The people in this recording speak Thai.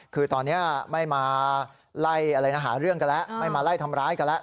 คือตอนนี้ไม่มาไล่อะไรนะหาเรื่องกันแล้วไม่มาไล่ทำร้ายกันแล้ว